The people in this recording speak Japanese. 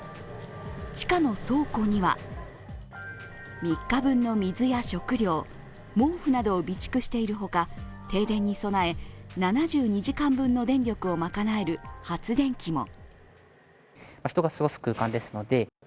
地下の倉庫には、３日分の水や食料、毛布などを備蓄しているほか、停電に備え７２時間分の電力を賄える発電機も。